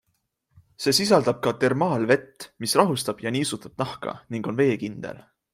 See sisaldab ka termaalvett, mis rahustab ja niisutab nahka ning on veekindel.